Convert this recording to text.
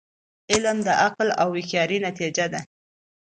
علم د عقل او هوښیاری نتیجه ده.